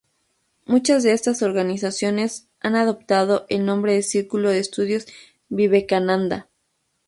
Muchas de estas organizaciones han adoptado el nombre de Círculo de Estudios Vivekananda.